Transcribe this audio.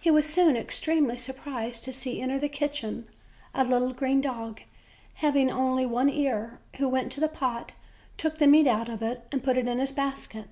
He was soon extremely surprised to see enter the kitchen a little green dog, having only one ear, who went to the pot, took the meat out of it and put it into his basket.